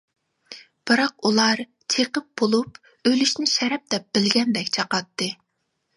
بىراق ئۇلار چېقىپ بولۇپ ئۆلۈشنى شەرەپ دەپ بىلگەندەك، چاقاتتى.